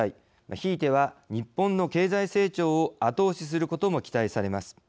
ひいては日本の経済成長を後押しすることも期待されます。